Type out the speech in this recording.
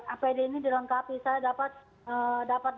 apd ini dilengkapi saya dapat